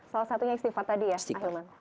salah satunya istighfar tadi ya